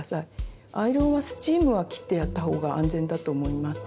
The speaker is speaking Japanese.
アイロンはスチームは切ってやったほうが安全だと思います。